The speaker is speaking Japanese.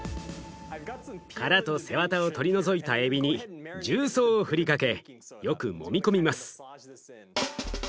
殻と背わたを取り除いたえびに重曹を振りかけよくもみ込みます。